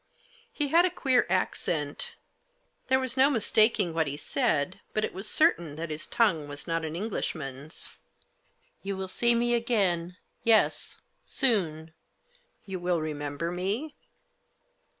He had a queer accent, There was no mistaking what he said, but it was certain that his tongue was not an Englishman's. " You will see me again — yes ! Soon ! You will remem ber me